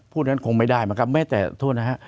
พูดอย่างนั้นคงไม่ได้เหมือนกันแม้แต่โทษนะฮะ